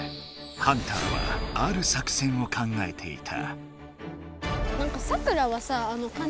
ハンターはある作戦を考えていた。